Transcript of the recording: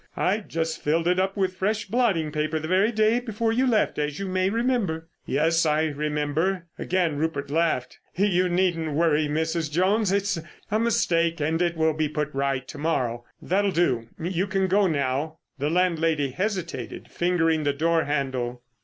I'd just filled it up with fresh blotting paper the very day before you left, as you may remember." "Yes, I remember." Again Rupert laughed. "You needn't worry, Mrs. Jones. It's a mistake and it will be put right to morrow. That'll do, you can go now." The landlady hesitated, fingering the door handle.